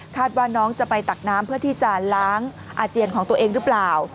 ว่าน้องจะไปตักน้ำเพื่อที่จะล้างอาเจียนของตัวเองหรือเปล่า